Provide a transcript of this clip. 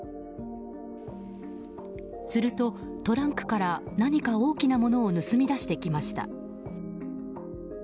するとトランクから何か大きなものを盗み出してきました。